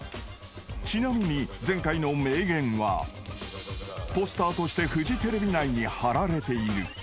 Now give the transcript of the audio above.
［ちなみに前回の名言はポスターとしてフジテレビ内に張られている］